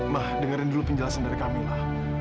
ma dengerin dulu penjelasan dari kamila